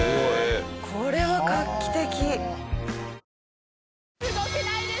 これは画期的。